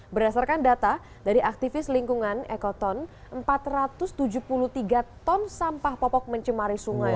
berdasarkan data dari aktivis lingkungan ekoton empat ratus tujuh puluh tiga ton sampah popok mencemari sungai